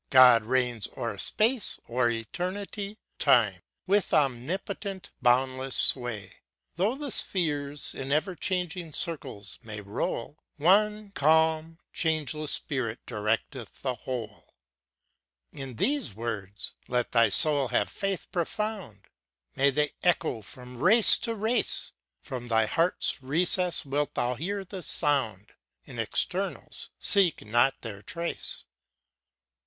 God reigns o'er space, o'er eternity ŌĆö time, With omnipotent, boundless sway. Though the spheres, in e'er changing circles, may roll, One calm, changeless Spirit directeth the whole! ŌĆö In these Words, let thy soul have faith profound, May they echo from race to race! From thy heart's recess wilt thou hear the sound, In externals , seek not their trace.